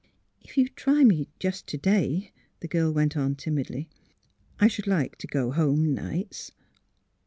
If you'd try me — just to day," the girl went on, timidly. " I should like to go home nights."